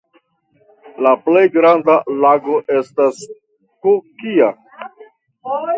La plej granda lago estas Kukkia.